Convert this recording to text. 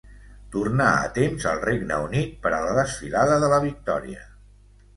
Tornà a temps al Regne Unit per a la Desfilada de la Victòria.